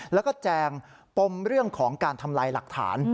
แล้วก็แจงปมเรื่องของการทำลายหลักฐาน